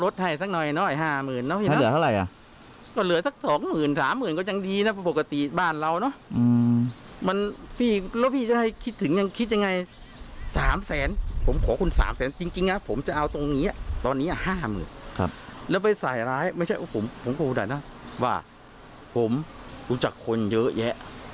แต่ถ้าพ่อไปสายร้ายไม่ใช่โอ้โหด่อะนะว่าผมรู้จักคนเยอะแยะ